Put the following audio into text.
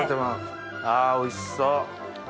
あおいしそう。